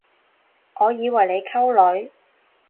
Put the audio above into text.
我以為你溝女